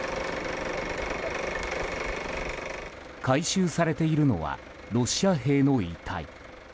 回収されているのはロシア兵の遺体。